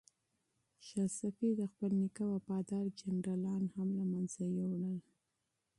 شاه صفي د خپل نیکه وفادار جنرالان هم له منځه یووړل.